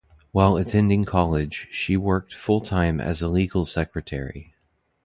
While attending college, she worked full-time as a legal secretary.